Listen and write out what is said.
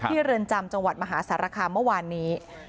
เรือนจำจังหวัดมหาสารคามเมื่อวานนี้